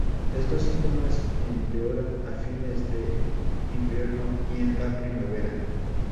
Estos síntomas empeoran a fines del invierno y en la primavera.